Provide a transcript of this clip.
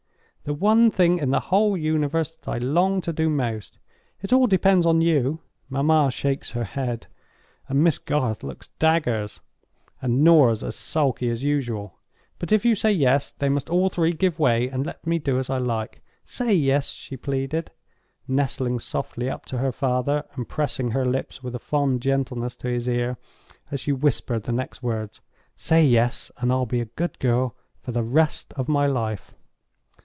The one thing in the whole universe that I long to do most. It all depends on you. Mamma shakes her head; and Miss Garth looks daggers; and Norah's as sulky as usual—but if you say Yes, they must all three give way and let me do as I like. Say Yes," she pleaded, nestling softly up to her father, and pressing her lips with a fond gentleness to his ear, as she whispered the next words. "Say Yes, and I'll be a good girl for the rest of my life."